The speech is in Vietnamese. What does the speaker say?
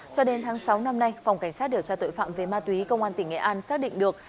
cho đến tháng sáu năm nay phòng cảnh sát điều tra tội phạm về ma túy công an tỉnh nghệ an xác định được